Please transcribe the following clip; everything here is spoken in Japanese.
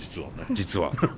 実は。